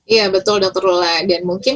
iya betul dokter lula dan mungkin